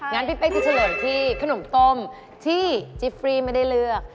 งั้นพี่เป๊กจะเฉลยที่ขนมต้มที่จิฟฟรีไม่ได้เลือก